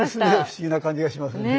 不思議な感じがしますね。